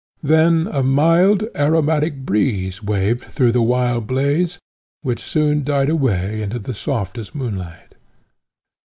Then a mild aromatic breeze waved through the wild blaze, which soon died away into the softest moonlight.